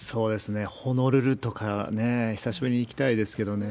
ホノルルとか、久しぶりに行きたいですけどね。